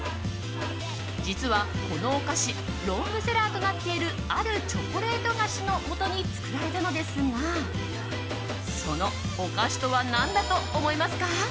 実は、このお菓子ロングセラーとなっているあるチョコレート菓子をもとに作られたのですがそのお菓子とは何だと思いますか？